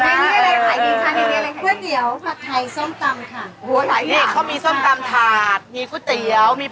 อร่อยไหม